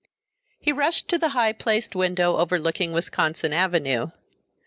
He rushed to the high placed window overlooking Wisconsin Avenue.